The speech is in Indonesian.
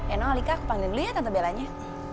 eno alika aku panggilin dulu ya tante bellanya